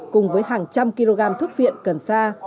cùng với hàng trăm kg thuốc viện cần xa